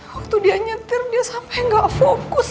waktu dia nyetir dia sampe gak fokus